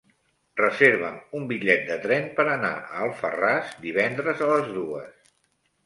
Reserva'm un bitllet de tren per anar a Alfarràs divendres a les dues.